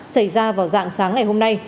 xảy ra vào dạng sáng ngày hôm nay